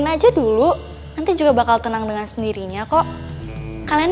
aja dulu nanti juga bakal tenang dengan sendirinya kok kalian